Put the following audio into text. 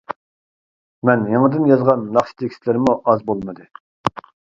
مەن يېڭىدىن يازغان ناخشا تېكىستلىرىمۇ ئاز بولمىدى.